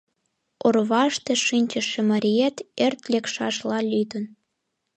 Орваште шинчыше мариет ӧрт лекшашла лӱдын.